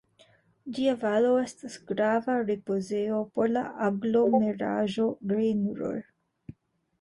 Ĝia valo estas grava ripozejo por la aglomeraĵo Rejn-Ruhr.